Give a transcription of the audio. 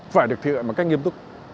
phải được thực hiện bằng cách nghiêm túc